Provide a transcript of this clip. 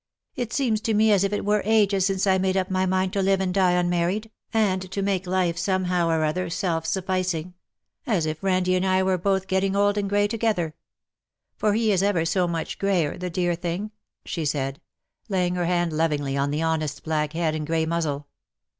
^^ It seems to me as if it were ages since I made up my mind to live and die unmarried, and to make life, somehow or other, self sufficing — as if Randie and 28 I were both getting old and grey together. For he is ever so much greyer, the dear thing/' she said, laying her hand lovingly on the honest black head and grey muzzle.